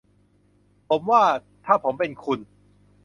ผมว่า ถ้าผมเป็นคุณ